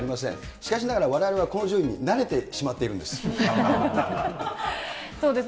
しかしながらわれわれはこの順位に慣れてしまっているんです。